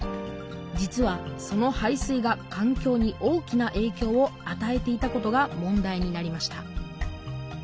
実はその排水が環境に大きなえいきょうをあたえていたことが問題になりました